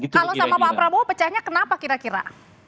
kalau sama pak prabowo pecahnya kenapa kira kira